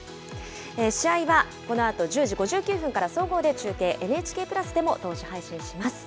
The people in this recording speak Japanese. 試合はこのあと１０時５９分から総合で中継、ＮＨＫプラスでも同時配信します。